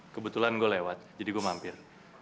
kebetulan gue lewat jadi gue mampir